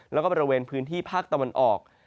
แล้วก็บริเวณพื้นที่ภาคตะวันออก